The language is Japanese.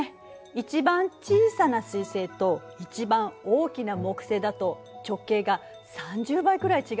一番小さな水星と一番大きな木星だと直径が３０倍くらい違うの。